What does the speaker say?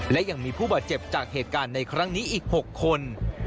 และยังมีผู้บาดเจ็บจากเหตุการณ์ในครั้งนี้อีก๖คน